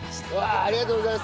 ありがとうございます。